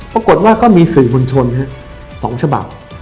ปรากฏว่าก็มีสื่อมวลชน๒ฉบับ